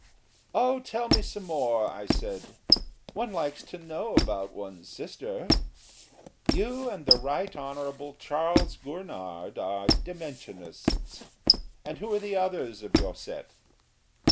"Oh, tell me some more," I said, "one likes to know about one's sister. You and the Right Honourable Charles Gurnard are Dimensionists, and who are the others of your set?"